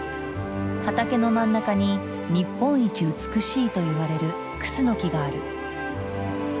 畑の真ん中に日本一美しいといわれるクスノキがある。